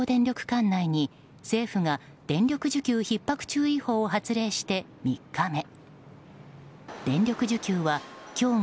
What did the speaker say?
管内に政府が電力需給ひっ迫注意報を発令して、３日目。